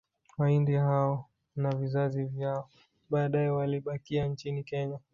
Wahindi hao na vizazi vyao baadae walibakia nchini Kenya